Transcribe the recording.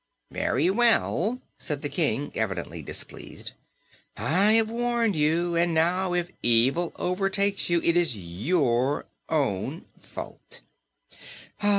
"Very well," said the King, evidently displeased. "I have warned you, and now if evil overtakes you it is your own fault.